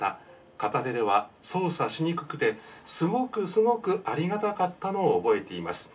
片手では操作しにくくてすごくすごくありがたかったのを覚えています。